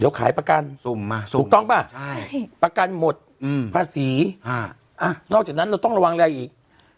เดี๋ยวขายประกันถูกต้องป่ะประกันหมดภาษีนอกจากนั้นเราต้องระวังอะไรอีก